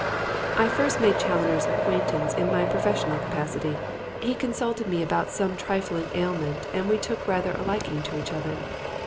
I first made Challoner's acquaintance in my professional capacity. He consulted me about some trifling ailment and we took rather a liking to each other.